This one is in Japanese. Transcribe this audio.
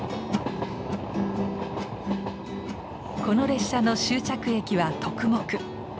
この列車の終着駅はトクモク。